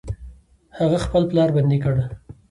هغه خپل پلار بندي کړ.